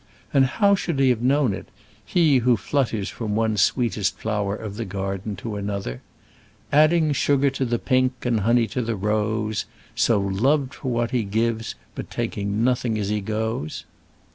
And how should he have known it, he who flutters from one sweetest flower of the garden to another, "Adding sugar to the pink, and honey to the rose, So loved for what he gives, but taking nothing as he goes"?